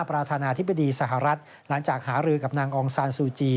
ประธานาธิบดีสหรัฐหลังจากหารือกับนางองซานซูจี